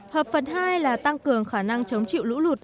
hợp phần hai là tăng cường khả năng chống chịu lũ lụt